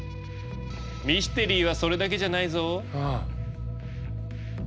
ミステリーはそれだけじゃないぞ。